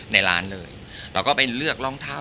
ในร้านเลยเราก็ไปเลือกรองเท้า